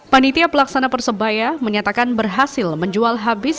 panitia pelaksana persebaya menyatakan berhasil menjual habis